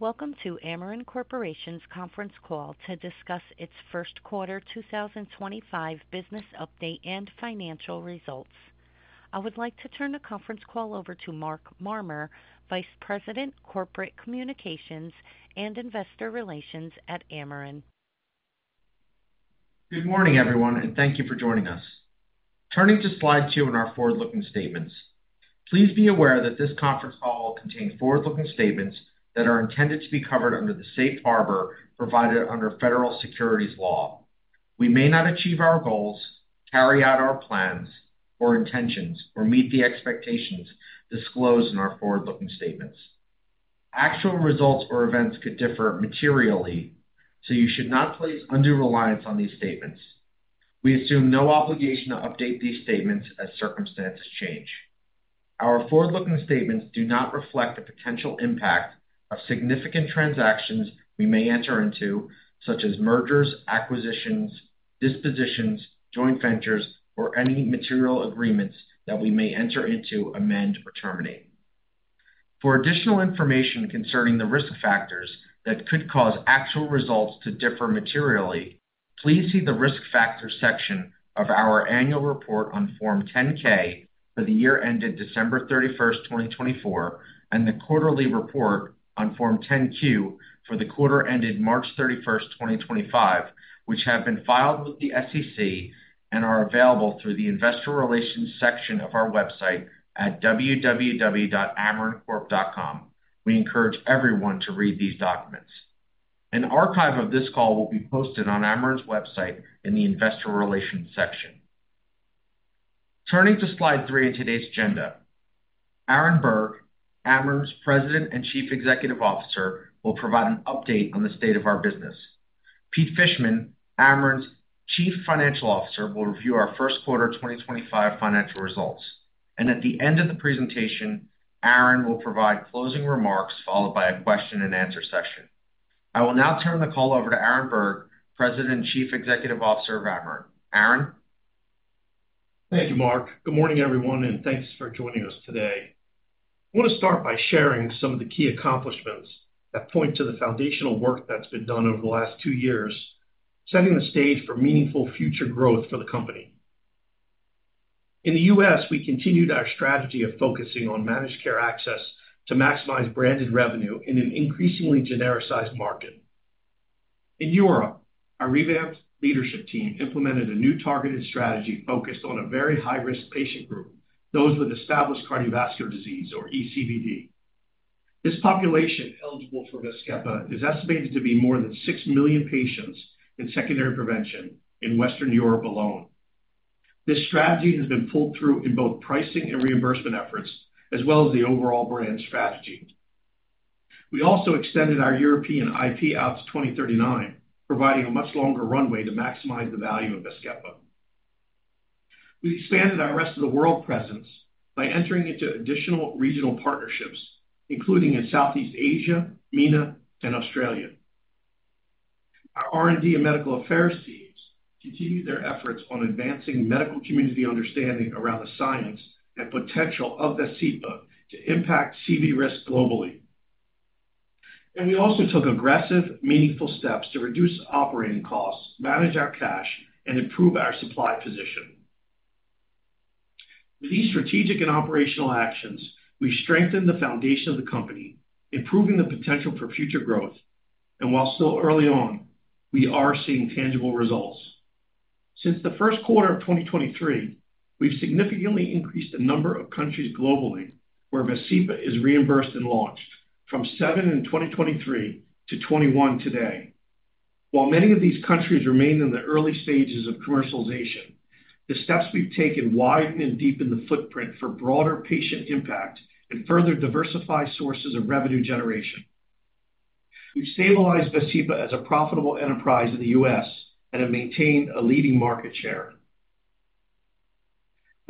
Welcome to Amarin Corporation's conference call to discuss its first quarter 2025 business update and financial results. I would like to turn the conference call over to Mark Marmer, Vice President, Corporate Communications and Investor Relations at Amarin. Good morning, everyone, and thank you for joining us. Turning to slide two in our forward-looking statements, please be aware that this conference call will contain forward-looking statements that are intended to be covered under the safe harbor provided under federal securities law. We may not achieve our goals, carry out our plans or intentions, or meet the expectations disclosed in our forward-looking statements. Actual results or events could differ materially, so you should not place undue reliance on these statements. We assume no obligation to update these statements as circumstances change. Our forward-looking statements do not reflect the potential impact of significant transactions we may enter into, such as mergers, acquisitions, dispositions, joint ventures, or any material agreements that we may enter into, amend, or terminate. For additional information concerning the risk factors that could cause actual results to differ materially, please see the risk factor section of our annual report on Form 10-K for the year ended December 31, 2024, and the quarterly report on Form 10-Q for the quarter ended March 31, 2025, which have been filed with the SEC and are available through the investor relations section of our website at www.amarincorp.com. We encourage everyone to read these documents. An archive of this call will be posted on Amarin's website in the investor relations section. Turning to slide three in today's agenda, Aaron Berg, Amarin's President and Chief Executive Officer, will provide an update on the state of our business. Pete Fishman, Amarin's Chief Financial Officer, will review our first quarter 2025 financial results. At the end of the presentation, Aaron will provide closing remarks followed by a question and answer session. I will now turn the call over to Aaron Berg, President and Chief Executive Officer of Amarin. Aaron? Thank you, Mark. Good morning, everyone, and thanks for joining us today. I want to start by sharing some of the key accomplishments that point to the foundational work that's been done over the last two years, setting the stage for meaningful future growth for the company. In the U.S., we continued our strategy of focusing on managed care access to maximize branded revenue in an increasingly genericized market. In Europe, our revamped leadership team implemented a new targeted strategy focused on a very high-risk patient group, those with established cardiovascular disease, or ECVD. This population eligible for Vascepa is estimated to be more than 6 million patients in secondary prevention in Western Europe alone. This strategy has been pulled through in both pricing and reimbursement efforts, as well as the overall brand strategy. We also extended our European IP out to 2039, providing a much longer runway to maximize the value of Vascepa. We expanded our rest of the world presence by entering into additional regional partnerships, including in Southeast Asia, MENA, and Australia. Our R&D and medical affairs teams continued their efforts on advancing medical community understanding around the science and potential of Vascepa to impact CV risk globally. We also took aggressive, meaningful steps to reduce operating costs, manage our cash, and improve our supply position. With these strategic and operational actions, we strengthened the foundation of the company, improving the potential for future growth. While still early on, we are seeing tangible results. Since the first quarter of 2023, we've significantly increased the number of countries globally where Vascepa is reimbursed and launched, from seven in 2023 to 21 today. While many of these countries remain in the early stages of commercialization, the steps we've taken widen and deepen the footprint for broader patient impact and further diversify sources of revenue generation. We've stabilized Vascepa as a profitable enterprise in the U.S. and have maintained a leading market share.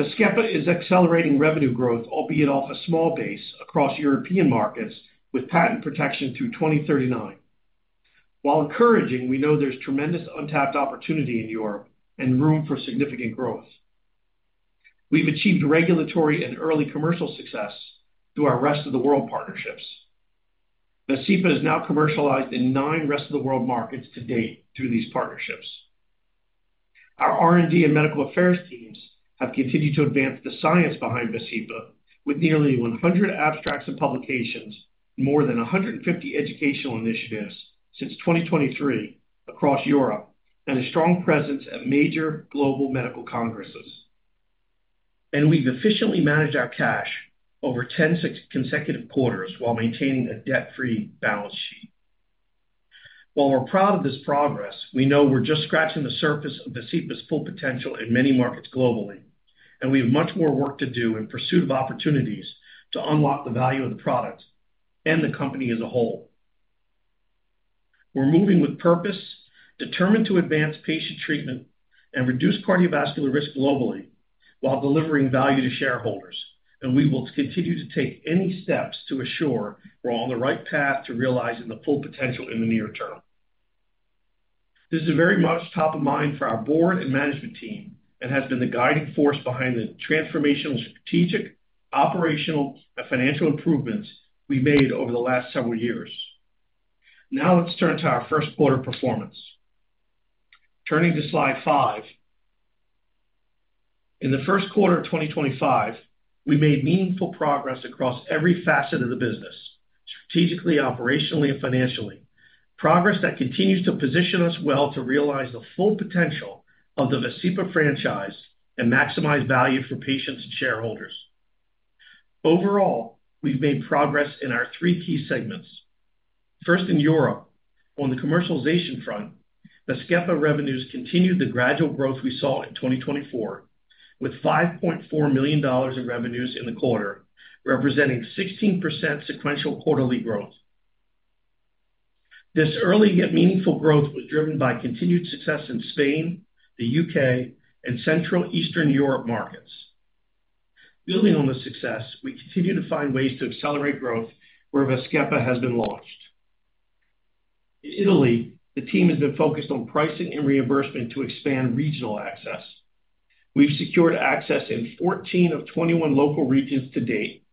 Vascepa is accelerating revenue growth, albeit off a small base, across European markets with patent protection through 2039. While encouraging, we know there's tremendous untapped opportunity in Europe and room for significant growth. We've achieved regulatory and early commercial success through our rest of the world partnerships. Vascepa is now commercialized in nine rest of the world markets to date through these partnerships. Our R&D and medical affairs teams have continued to advance the science behind Vascepa, with nearly 100 abstracts and publications, more than 150 educational initiatives since 2023 across Europe, and a strong presence at major global medical congresses. We have efficiently managed our cash over 10 consecutive quarters while maintaining a debt-free balance sheet. While we are proud of this progress, we know we are just scratching the surface of Vascepa's full potential in many markets globally, and we have much more work to do in pursuit of opportunities to unlock the value of the product and the company as a whole. We are moving with purpose, determined to advance patient treatment and reduce cardiovascular risk globally while delivering value to shareholders, and we will continue to take any steps to assure we are on the right path to realizing the full potential in the near term. This is very much top of mind for our board and management team and has been the guiding force behind the transformational strategic, operational, and financial improvements we have made over the last several years. Now let's turn to our first quarter performance. Turning to slide five, in the first quarter of 2025, we made meaningful progress across every facet of the business, strategically, operationally, and financially, progress that continues to position us well to realize the full potential of the Vascepa franchise and maximize value for patients and shareholders. Overall, we've made progress in our three key segments. First, in Europe, on the commercialization front, Vascepa revenues continued the gradual growth we saw in 2024, with $5.4 million in revenues in the quarter, representing 16% sequential quarterly growth. This early yet meaningful growth was driven by continued success in Spain, the U.K., and Central Eastern Europe markets. Building on this success, we continue to find ways to accelerate growth where Vascepa has been launched. In Italy, the team has been focused on pricing and reimbursement to expand regional access. We've secured access in 14 of 21 local regions to date,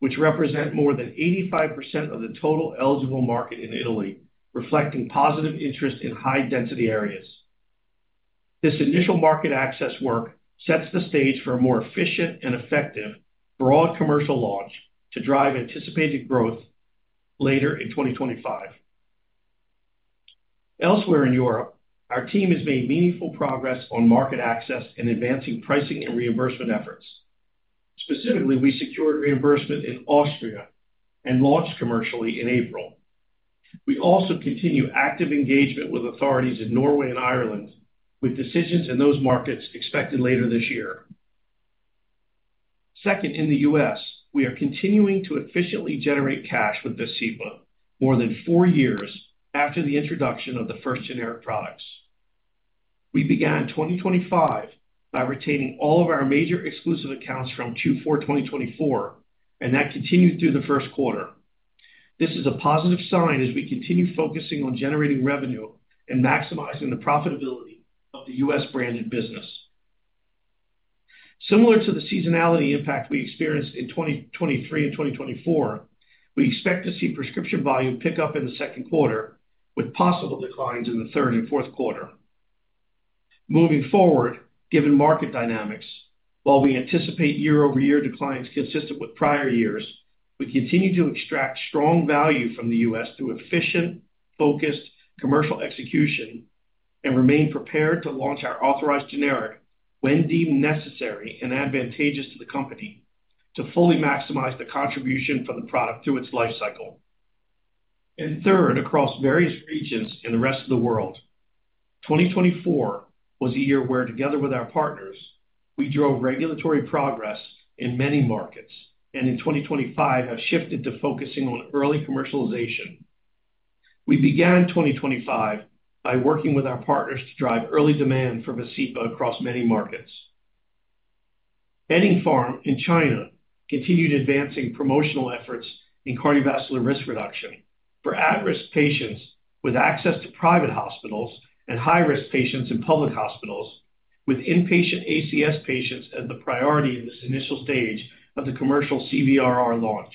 which represent more than 85% of the total eligible market in Italy, reflecting positive interest in high-density areas. This initial market access work sets the stage for a more efficient and effective broad commercial launch to drive anticipated growth later in 2025. Elsewhere in Europe, our team has made meaningful progress on market access and advancing pricing and reimbursement efforts. Specifically, we secured reimbursement in Austria and launched commercially in April. We also continue active engagement with authorities in Norway and Ireland, with decisions in those markets expected later this year. Second, in the U.S., we are continuing to efficiently generate cash with Vascepa more than four years after the introduction of the first generic products. We began 2025 by retaining all of our major exclusive accounts from Q4 2024, and that continued through the first quarter. This is a positive sign as we continue focusing on generating revenue and maximizing the profitability of the US branded business. Similar to the seasonality impact we experienced in 2023 and 2024, we expect to see prescription volume pick up in the second quarter, with possible declines in the third and fourth quarter. Moving forward, given market dynamics, while we anticipate year-over-year declines consistent with prior years, we continue to extract strong value from the US through efficient, focused commercial execution and remain prepared to launch our authorized generic when deemed necessary and advantageous to the company to fully maximize the contribution from the product through its life cycle. Third, across various regions in the rest of the world, 2024 was a year where, together with our partners, we drove regulatory progress in many markets and in 2025 have shifted to focusing on early commercialization. We began 2025 by working with our partners to drive early demand for Vascepa across many markets. Benning Pharma in China continued advancing promotional efforts in cardiovascular risk reduction for at-risk patients with access to private hospitals and high-risk patients in public hospitals, with inpatient ACS patients as the priority in this initial stage of the commercial CVRR launch.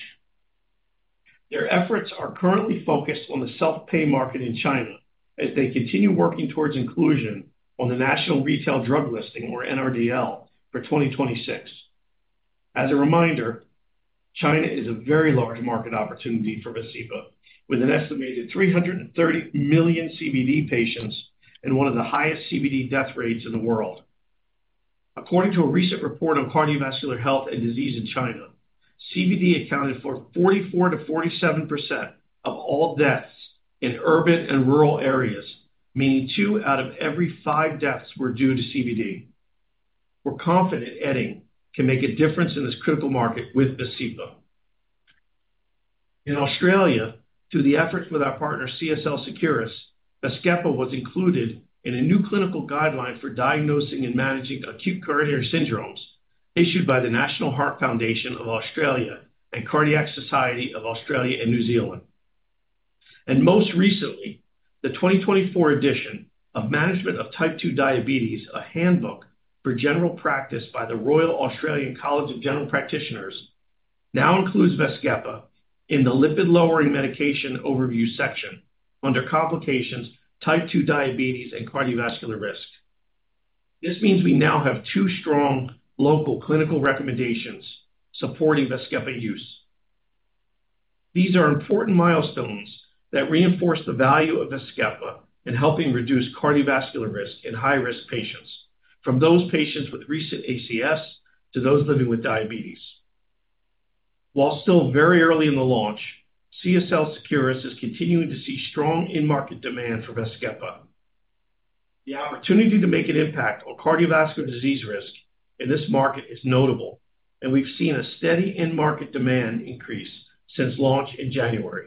Their efforts are currently focused on the self-pay market in China as they continue working towards inclusion on the National Retail Drug Listing, or NRDL, for 2026. As a reminder, China is a very large market opportunity for Vascepa, with an estimated 330 million CVD patients and one of the highest CVD death rates in the world. According to a recent report on cardiovascular health and disease in China, CVD accounted for 44-47% of all deaths in urban and rural areas, meaning two out of every five deaths were due to CVD. We're confident adding can make a difference in this critical market with Vascepa. In Australia, through the efforts with our partner CSL Seqirus, Vascepa was included in a new clinical guideline for diagnosing and managing acute coronary syndromes issued by the National Heart Foundation of Australia and Cardiac Society of Australia and New Zealand. Most recently, the 2024 edition of Management of Type 2 Diabetes, a handbook for general practice by the Royal Australian College of General Practitioners, now includes Vascepa in the lipid-lowering medication overview section under complications, type 2 diabetes, and cardiovascular risk. This means we now have two strong local clinical recommendations supporting Vascepa use. These are important milestones that reinforce the value of Vascepa in helping reduce cardiovascular risk in high-risk patients, from those patients with recent ACS to those living with diabetes. While still very early in the launch, CSL Seqirus is continuing to see strong in-market demand for Vascepa. The opportunity to make an impact on cardiovascular disease risk in this market is notable, and we've seen a steady in-market demand increase since launch in January.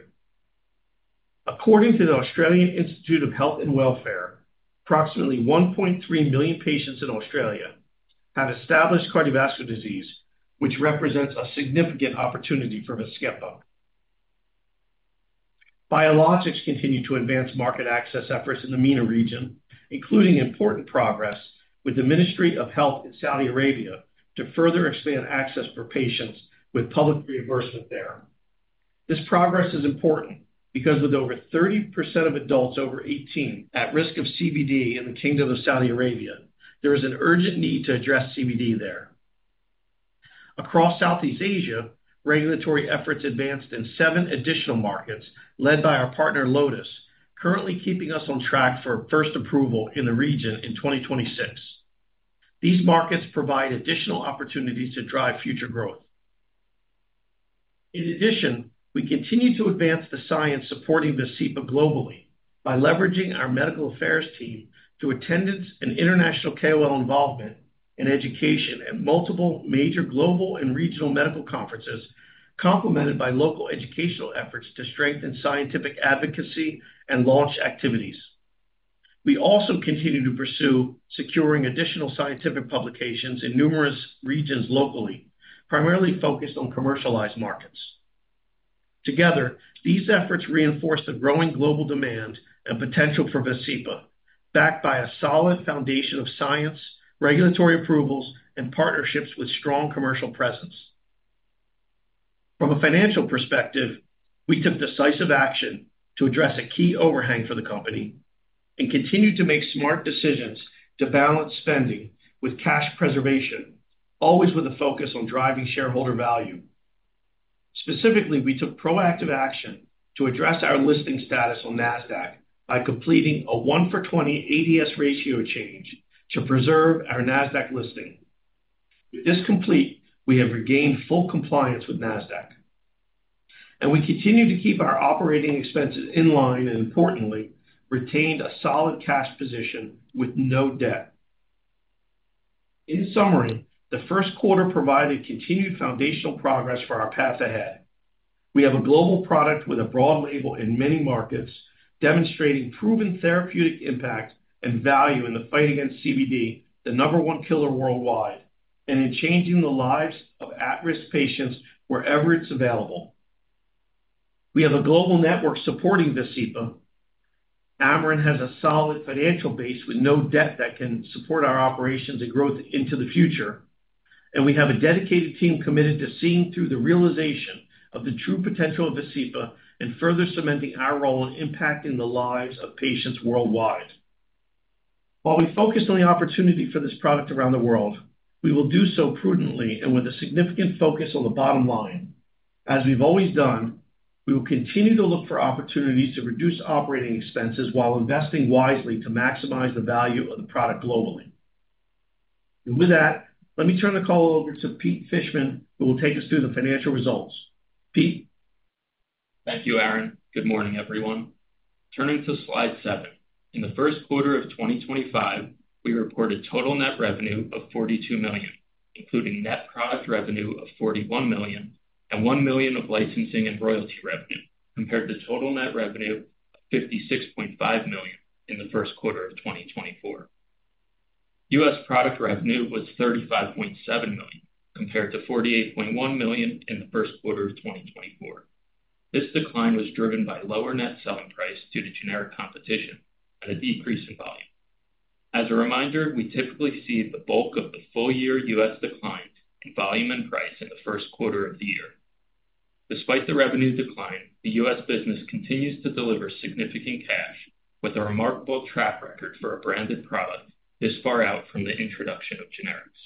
According to the Australian Institute of Health and Welfare, approximately 1.3 million patients in Australia have established cardiovascular disease, which represents a significant opportunity for Vascepa. Biologics continue to advance market access efforts in the MENA region, including important progress with the Ministry of Health in Saudi Arabia to further expand access for patients with public reimbursement there. This progress is important because with over 30% of adults over 18 at risk of CVD in the Kingdom of Saudi Arabia, there is an urgent need to address CVD there. Across Southeast Asia, regulatory efforts advanced in seven additional markets led by our partner Lotus, currently keeping us on track for first approval in the region in 2026. These markets provide additional opportunities to drive future growth. In addition, we continue to advance the science supporting Vascepa globally by leveraging our medical affairs team through attendance and international KOL involvement and education at multiple major global and regional medical conferences, complemented by local educational efforts to strengthen scientific advocacy and launch activities. We also continue to pursue securing additional scientific publications in numerous regions locally, primarily focused on commercialized markets. Together, these efforts reinforce the growing global demand and potential for Vascepa, backed by a solid foundation of science, regulatory approvals, and partnerships with strong commercial presence. From a financial perspective, we took decisive action to address a key overhang for the company and continue to make smart decisions to balance spending with cash preservation, always with a focus on driving shareholder value. Specifically, we took proactive action to address our listing status on NASDAQ by completing a 1-for-20 ADS ratio change to preserve our NASDAQ listing. With this complete, we have regained full compliance with NASDAQ. We continue to keep our operating expenses in line and, importantly, retained a solid cash position with no debt. In summary, the first quarter provided continued foundational progress for our path ahead. We have a global product with a broad label in many markets, demonstrating proven therapeutic impact and value in the fight against CVD, the number one killer worldwide, and in changing the lives of at-risk patients wherever it's available. We have a global network supporting Vascepa. Amarin has a solid financial base with no debt that can support our operations and growth into the future. We have a dedicated team committed to seeing through the realization of the true potential of Vascepa and further cementing our role in impacting the lives of patients worldwide. While we focus on the opportunity for this product around the world, we will do so prudently and with a significant focus on the bottom line. As we've always done, we will continue to look for opportunities to reduce operating expenses while investing wisely to maximize the value of the product globally. With that, let me turn the call over to Pete Fishman, who will take us through the financial results. Pete. Thank you, Aaron. Good morning, everyone. Turning to slide seven, in the first quarter of 2025, we reported total net revenue of $42 million, including net product revenue of $41 million and $1 million of licensing and royalty revenue, compared to total net revenue of $56.5 million in the first quarter of 2024. U.S. product revenue was $35.7 million, compared to $48.1 million in the first quarter of 2024. This decline was driven by lower net selling price due to generic competition and a decrease in volume. As a reminder, we typically see the bulk of the full-year U.S. decline in volume and price in the first quarter of the year. Despite the revenue decline, the U.S. business continues to deliver significant cash with a remarkable track record for a branded product this far out from the introduction of generics.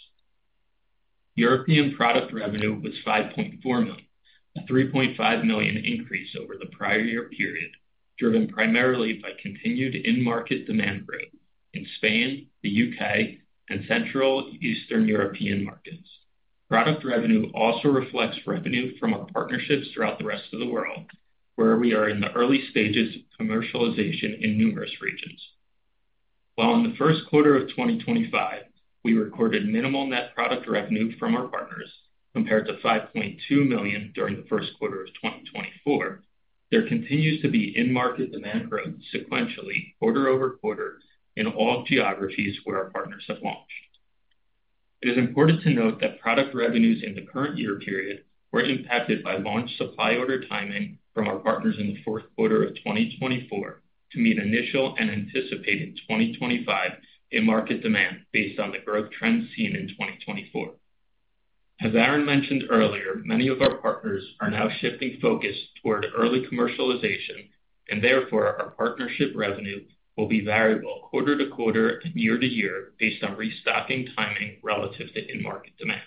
European product revenue was $5.4 million, a $3.5 million increase over the prior year period, driven primarily by continued in-market demand growth in Spain, the U.K., and Central Eastern European markets. Product revenue also reflects revenue from our partnerships throughout the rest of the world, where we are in the early stages of commercialization in numerous regions. While in the first quarter of 2025, we recorded minimal net product revenue from our partners, compared to $5.2 million during the first quarter of 2024, there continues to be in-market demand growth sequentially, quarter over quarter, in all geographies where our partners have launched. It is important to note that product revenues in the current year period were impacted by launch supply order timing from our partners in the fourth quarter of 2024 to meet initial and anticipated 2025 in-market demand based on the growth trends seen in 2024. As Aaron mentioned earlier, many of our partners are now shifting focus toward early commercialization, and therefore our partnership revenue will be variable quarter to quarter and year to year based on restocking timing relative to in-market demand.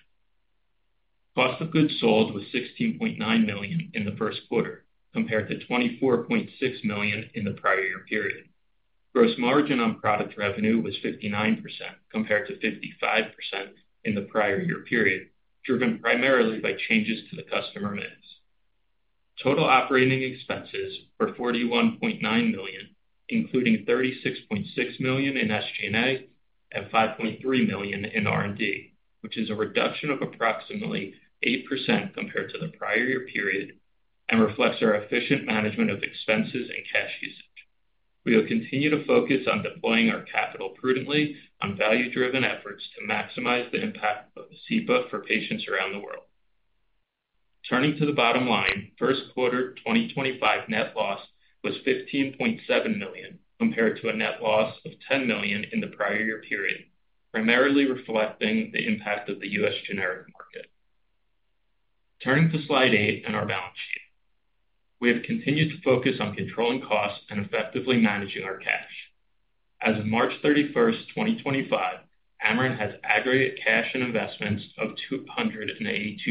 Cost of goods sold was $16.9 million in the first quarter, compared to $24.6 million in the prior year period. Gross margin on product revenue was 59%, compared to 55% in the prior year period, driven primarily by changes to the customer mix. Total operating expenses were $41.9 million, including $36.6 million in SG&A and $5.3 million in R&D, which is a reduction of approximately 8% compared to the prior year period and reflects our efficient management of expenses and cash usage. We will continue to focus on deploying our capital prudently on value-driven efforts to maximize the impact of Vascepa for patients around the world. Turning to the bottom line, first quarter 2025 net loss was $15.7 million, compared to a net loss of $10 million in the prior year period, primarily reflecting the impact of the U.S. generic market. Turning to slide eight and our balance sheet, we have continued to focus on controlling costs and effectively managing our cash. As of March 31, 2025, Amarin has aggregate cash and investments of $282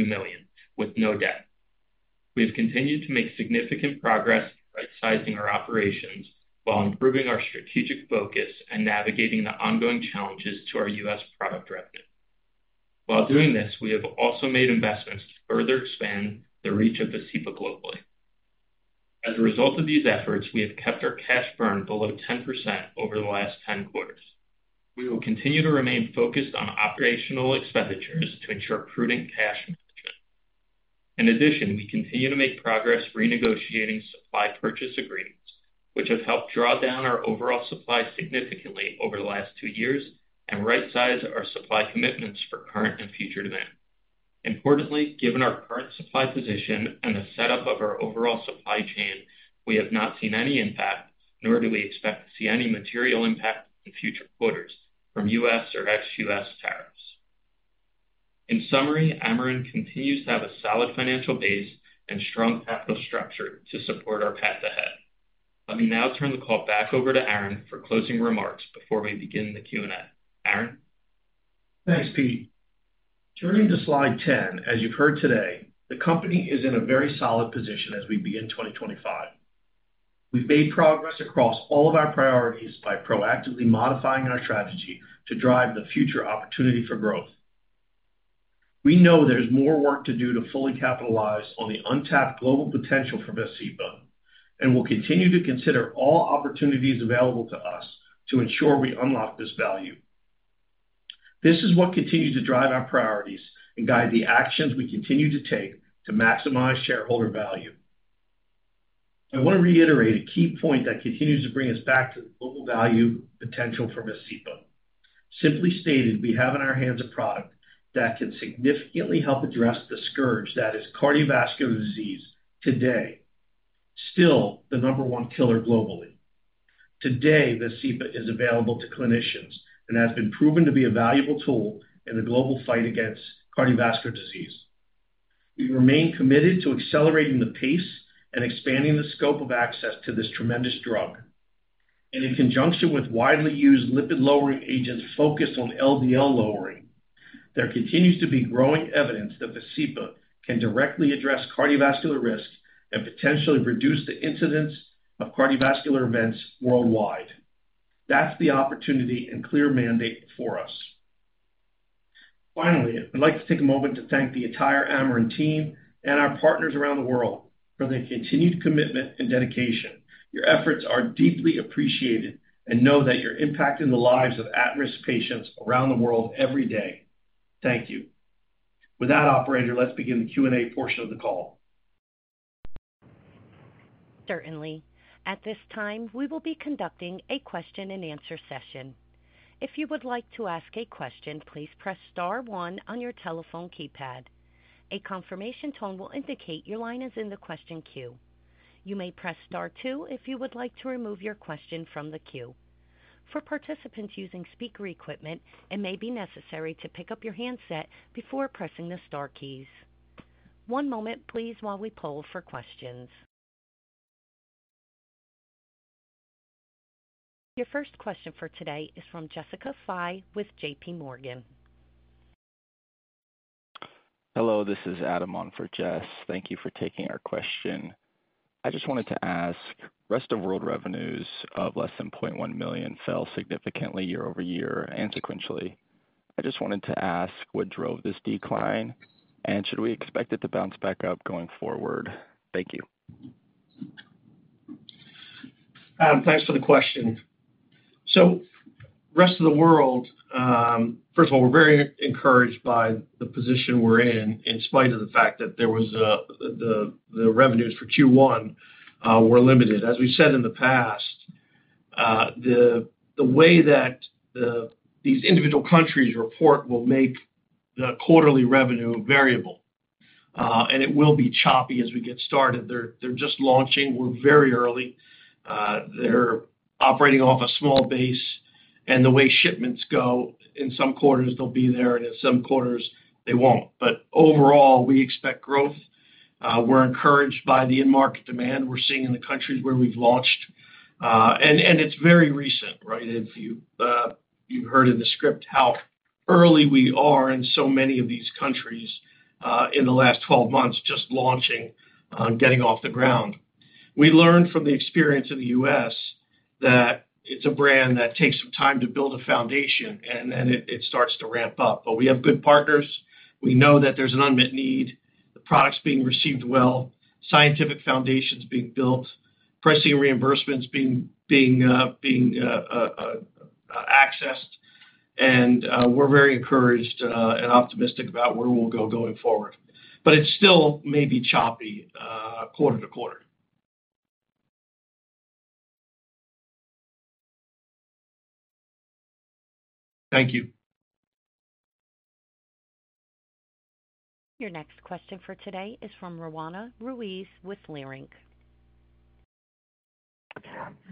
million with no debt. We have continued to make significant progress in right-sizing our operations while improving our strategic focus and navigating the ongoing challenges to our U.S. product revenue. While doing this, we have also made investments to further expand the reach of Vascepa globally. As a result of these efforts, we have kept our cash burn below 10% over the last 10 quarters. We will continue to remain focused on operational expenditures to ensure prudent cash management. In addition, we continue to make progress renegotiating supply purchase agreements, which have helped draw down our overall supply significantly over the last two years and right-size our supply commitments for current and future demand. Importantly, given our current supply position and the setup of our overall supply chain, we have not seen any impact, nor do we expect to see any material impact in future quarters from U.S. or ex-U.S. tariffs. In summary, Amarin continues to have a solid financial base and strong capital structure to support our path ahead. Let me now turn the call back over to Aaron for closing remarks before we begin the Q&A. Aaron. Thanks, Pete. Turning to slide 10, as you've heard today, the company is in a very solid position as we begin 2025. We've made progress across all of our priorities by proactively modifying our strategy to drive the future opportunity for growth. We know there's more work to do to fully capitalize on the untapped global potential for Vascepa, and we'll continue to consider all opportunities available to us to ensure we unlock this value. This is what continues to drive our priorities and guide the actions we continue to take to maximize shareholder value. I want to reiterate a key point that continues to bring us back to the global value potential for Vascepa. Simply stated, we have in our hands a product that can significantly help address the scourge that is cardiovascular disease today, still the number one killer globally. Today, Vascepa is available to clinicians and has been proven to be a valuable tool in the global fight against cardiovascular disease. We remain committed to accelerating the pace and expanding the scope of access to this tremendous drug. In conjunction with widely used lipid-lowering agents focused on LDL lowering, there continues to be growing evidence that Vascepa can directly address cardiovascular risk and potentially reduce the incidence of cardiovascular events worldwide. That's the opportunity and clear mandate for us. Finally, I'd like to take a moment to thank the entire Amarin team and our partners around the world for their continued commitment and dedication. Your efforts are deeply appreciated and know that you're impacting the lives of at-risk patients around the world every day. Thank you. With that, operator, let's begin the Q&A portion of the call. Certainly. At this time, we will be conducting a question-and-answer session. If you would like to ask a question, please press Star 1 on your telephone keypad. A confirmation tone will indicate your line is in the question queue. You may press Star 2 if you would like to remove your question from the queue. For participants using speaker equipment, it may be necessary to pick up your handset before pressing the Star keys. One moment, please, while we poll for questions. Your first question for today is from Jessica Fye with JPMorgan. Hello, this is Adam on for Jess. Thank you for taking our question. I just wanted to ask, rest of world revenues of less than $0.1 million fell significantly year over year and sequentially. I just wanted to ask, what drove this decline, and should we expect it to bounce back up going forward? Thank you. Thanks for the question. Rest of the world, first of all, we're very encouraged by the position we're in, in spite of the fact that the revenues for Q1 were limited. As we've said in the past, the way that these individual countries report will make the quarterly revenue variable, and it will be choppy as we get started. They're just launching. We're very early. They're operating off a small base, and the way shipments go, in some quarters they'll be there, and in some quarters they won't. Overall, we expect growth. We're encouraged by the in-market demand we're seeing in the countries where we've launched. It's very recent, right? If you've heard in the script how early we are in so many of these countries in the last 12 months just launching and getting off the ground. We learned from the experience of the US that it's a brand that takes some time to build a foundation, and then it starts to ramp up. We have good partners. We know that there's an unmet need. The product's being received well, scientific foundation is being built, pricing reimbursements are being accessed. We're very encouraged and optimistic about where we'll go going forward. It still may be choppy quarter to quarter. Thank you. Your next question for today is from Rowana Ruiz with Lyrinc.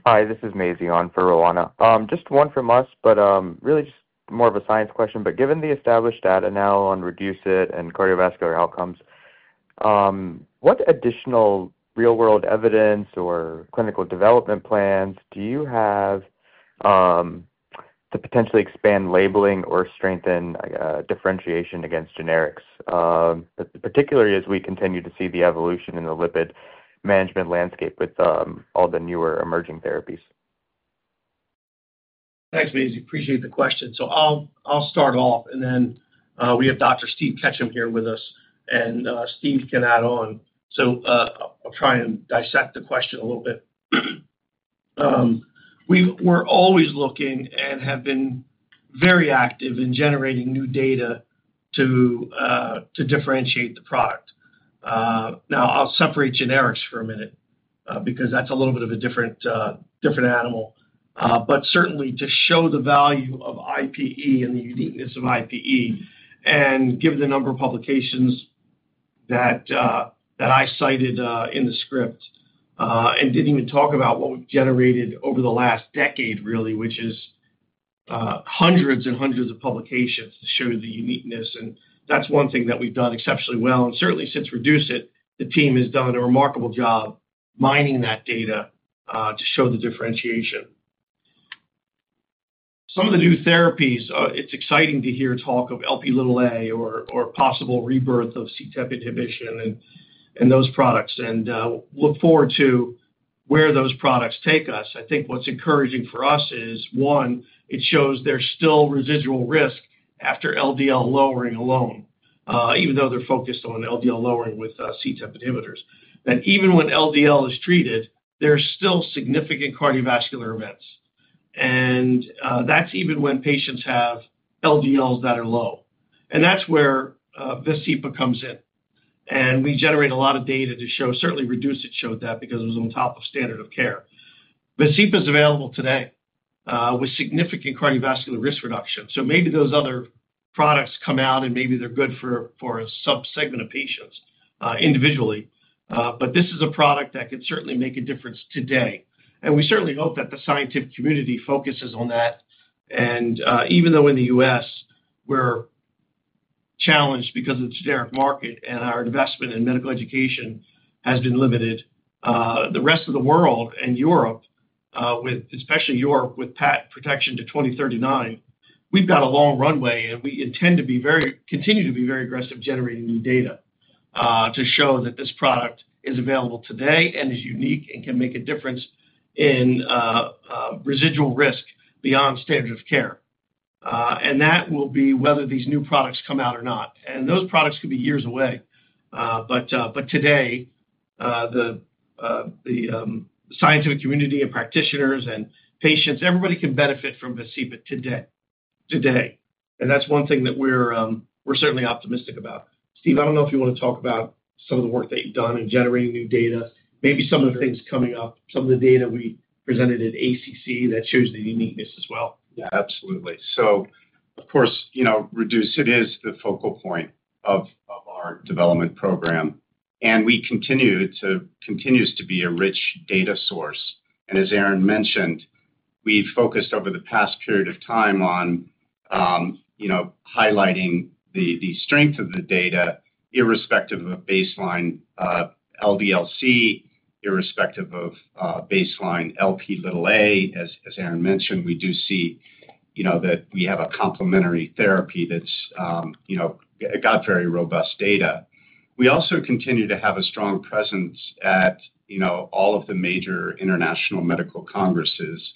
Hi, this is Mazey on for Rowana. Just one from us, but really just more of a science question. Given the established data now on REDUCE-IT and cardiovascular outcomes, what additional real-world evidence or clinical development plans do you have to potentially expand labeling or strengthen differentiation against generics, particularly as we continue to see the evolution in the lipid management landscape with all the newer emerging therapies? Thanks, Mazey. Appreciate the question. I'll start off, and then we have Dr. Steve Ketchum here with us, and Steve can add on. I'll try and dissect the question a little bit. We're always looking and have been very active in generating new data to differentiate the product. Now, I'll separate generics for a minute because that's a little bit of a different animal. Certainly, to show the value of IPE and the uniqueness of IPE and given the number of publications that I cited in the script and did not even talk about what we have generated over the last decade, really, which is hundreds and hundreds of publications to show the uniqueness. That is one thing that we have done exceptionally well. Certainly, since REDUCE-IT, the team has done a remarkable job mining that data to show the differentiation. Some of the new therapies, it is exciting to hear talk of Lp(a) or possible rebirth of CETP inhibition and those products. I look forward to where those products take us. I think what is encouraging for us is, one, it shows there is still residual risk after LDL lowering alone, even though they are focused on LDL lowering with CETP inhibitors. That even when LDL is treated, there are still significant cardiovascular events. That is even when patients have LDLs that are low. That is where Vascepa comes in. We generate a lot of data to show. Certainly, REDUCE-IT showed that because it was on top of standard of care. Vascepa is available today with significant cardiovascular risk reduction. Maybe those other products come out, and maybe they are good for a subsegment of patients individually. This is a product that could certainly make a difference today. We certainly hope that the scientific community focuses on that. Even though in the U.S., we're challenged because of the generic market and our investment in medical education has been limited, the rest of the world and Europe, especially Europe with patent protection to 2039, we've got a long runway, and we intend to continue to be very aggressive generating new data to show that this product is available today and is unique and can make a difference in residual risk beyond standard of care. That will be whether these new products come out or not. Those products could be years away. Today, the scientific community and practitioners and patients, everybody can benefit from Vascepa today. Today. That's one thing that we're certainly optimistic about. Steve, I don't know if you want to talk about some of the work that you've done in generating new data, maybe some of the things coming up, some of the data we presented at ACC that shows the uniqueness as well. Yeah, absolutely. Of course, REDUCE-IT is the focal point of our development program. We continue to be a rich data source. As Aaron mentioned, we've focused over the past period of time on highlighting the strength of the data irrespective of baseline LDL, irrespective of baseline Lp(a). As Aaron mentioned, we do see that we have a complementary therapy that's got very robust data. We also continue to have a strong presence at all of the major international medical congresses.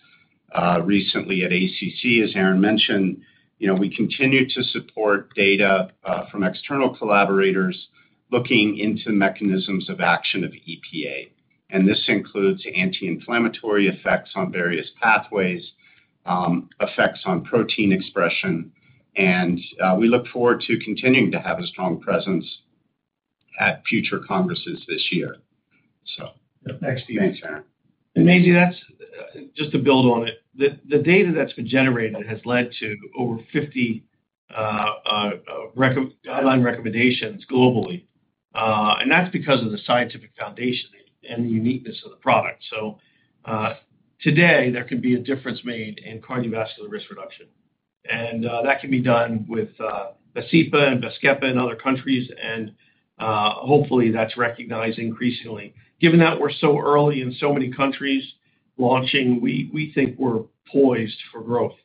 Recently, at ACC, as Aaron mentioned, we continue to support data from external collaborators looking into mechanisms of action of EPA. This includes anti-inflammatory effects on various pathways, effects on protein expression. We look forward to continuing to have a strong presence at future congresses this year. Thanks, Steve. Thanks, Aaron. Mazey, just to build on it, the data that's been generated has led to over 50 guideline recommendations globally. That's because of the scientific foundation and the uniqueness of the product. Today, there can be a difference made in cardiovascular risk reduction. That can be done with Vascepa in other countries. Hopefully, that's recognized increasingly. Given that we're so early in so many countries launching, we think we're poised for growth.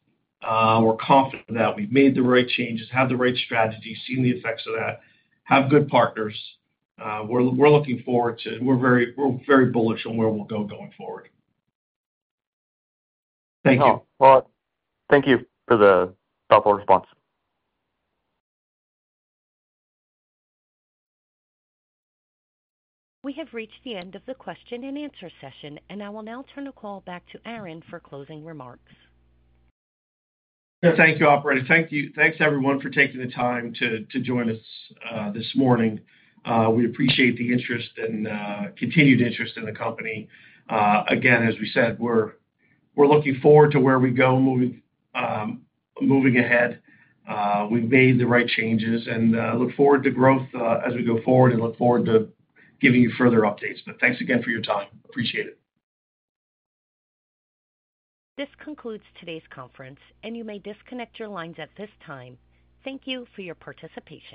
We're confident that we've made the right changes, have the right strategies, seen the effects of that, have good partners. We're looking forward to it. We're very bullish on where we'll go going forward. Thank you. Thank you for the thoughtful response. We have reached the end of the question-and-answer session, and I will now turn the call back to Aaron for closing remarks. Thank you, operator. Thanks, everyone, for taking the time to join us this morning. We appreciate the interest and continued interest in the company. Again, as we said, we're looking forward to where we go moving ahead. We've made the right changes and look forward to growth as we go forward and look forward to giving you further updates. Thanks again for your time. Appreciate it. This concludes today's conference, and you may disconnect your lines at this time. Thank you for your participation.